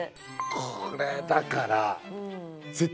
これだから。